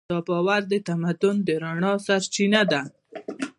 دا باور د تمدن د رڼا سرچینه ده.